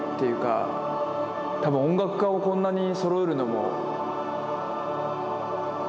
多分音楽家をこんなにそろえるのも。